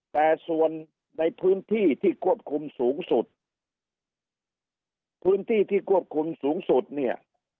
แต่ส่วนในพื้นที่ที่ควบคุมสูงสุดพื้นที่ที่ควบคุมสูงสุดเนี่ย